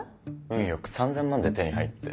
運よく３０００万で手に入って。